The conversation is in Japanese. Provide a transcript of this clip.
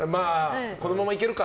このままいけるか？